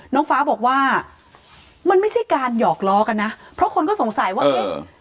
น้องฟ้าบอกว่ามันไม่ใช่การหยอกล้อกันนะเพราะคนก็สงสัยว่าเอ๊ะ